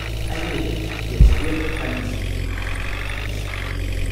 I wished, yet feared, to find him.